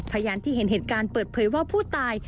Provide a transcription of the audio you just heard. พยานที่เห็นเหตุการณ์เปิดเผยว่าผู้ตาย